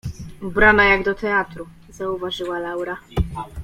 — Ubrana jak do teatru — zauważyła Laura.